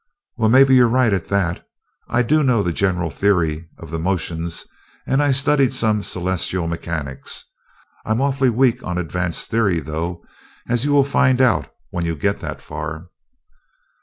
"Well, maybe you're right, at that. I do know the general theory of the motions, and I studied some Celestial Mechanics. I'm awfully weak on advanced theory, though, as you'll find out when you get that far."